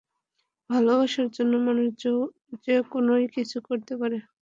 ভালোবাসার জন্য মানুষ যে কোনও কিছুই করতে পারে।